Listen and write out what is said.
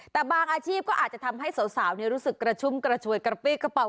แต่บางอาชีพก็อาจจะทำให้สาวรู้สึกกระชุ่มกระชวยกระปี้กระเป๋า